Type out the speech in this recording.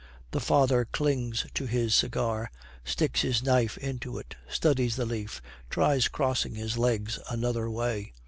The father clings to his cigar, sticks his knife into it, studies the leaf, tries crossing his legs another way.